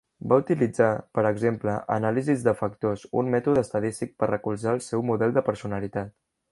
Va utilitzar, per exemple, anàlisis de factors, un mètode estadístic per recolzar el seu model de personalitat.